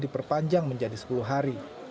diperpanjang menjadi sepuluh hari